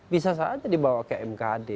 bisa saja dibawa ke mkd